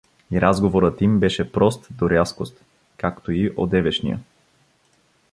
И разговорът им беше прост до рязкост, както и одевешния.